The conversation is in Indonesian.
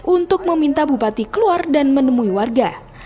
untuk meminta bupati keluar dan menemui warga